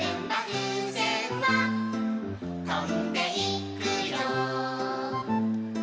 「ふうせんはとんでいくよ」